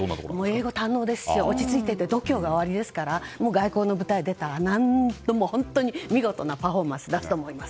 英語が堪能ですし落ち着いていて度胸がおありですから外交の舞台に出たら見事なパフォーマンスを出すと思います。